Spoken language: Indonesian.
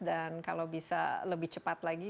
dan kalau bisa lebih cepat lagi